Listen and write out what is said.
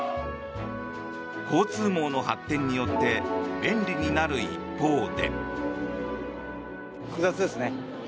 交通網の発展によって便利になる一方で。